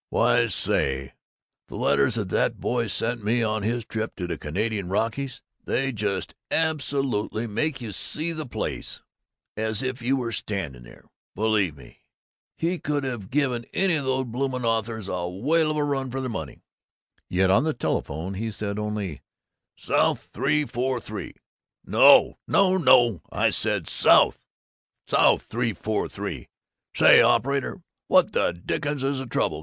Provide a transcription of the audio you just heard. "Why say, the letters that boy sent me on his trip to the Canadian Rockies, they just absolutely make you see the place as if you were standing there. Believe me, he could have given any of these bloomin' authors a whale of a run for their money!" Yet on the telephone they said only: "South 343. No, no, no! I said South South 343. Say, operator, what the dickens is the trouble?